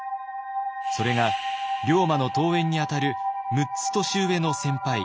それが龍馬の遠縁にあたる６つ年上の先輩